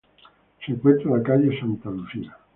Se encuentra en la calle Santa Lucía.